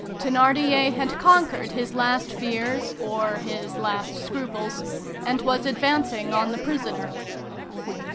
Thénardier had conquered his last fears or his last scruples, and was advancing on the prisoner.